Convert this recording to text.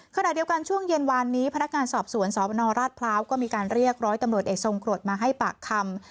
ขณะเดียวกันช่วงเย็นวานนี้พนักงานสอบสวนสนราชพร้าวก็มีการเรียกร้อยตำรวจเอกทรงกรดมาให้ปากคำ